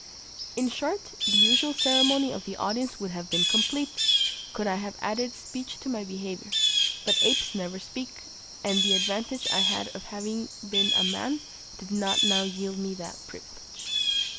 In short, the usual ceremony of the audience would have been complete, could I have added speech to my behaviour; but apes never speak, and the advantage I had of having been a man did not now yield me that privilege.